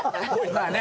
まあね。